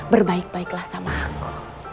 berbaik baiklah sama aku